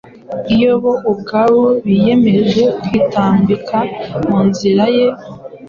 iyo bo ubwabo biyemeje kwitambika mu nzira ye